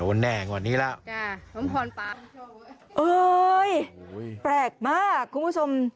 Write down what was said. มันแน่กว่านี้แล้วจ้ะสมพรไปเอ้ยแปลกมากคุณผู้ชม